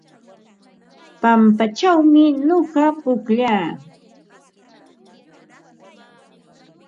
Pampachawmi nuqa pukllaa.